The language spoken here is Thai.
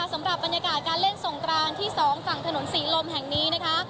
สำหรับบรรยากาศการเล่นสงกรานที่๒ฝั่งถนนศรีลมแห่งนี้นะคะ